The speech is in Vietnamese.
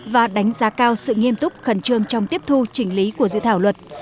và đánh giá cao sự nghiêm túc khẩn trương trong tiếp thu chỉnh lý của dự thảo luật